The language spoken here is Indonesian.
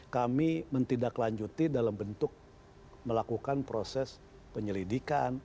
kami tidak lanjuti dalam bentuk melakukan proses penyelidikan